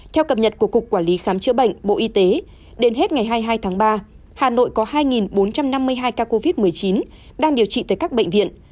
theo cập nhật của cục quản lý khám chữa bệnh bộ y tế đến hết ngày hai mươi hai tháng ba hà nội có hai bốn trăm năm mươi hai ca covid một mươi chín đang điều trị tại các bệnh viện